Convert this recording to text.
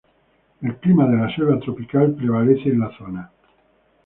El clima de la selva tropical prevalece en la zona.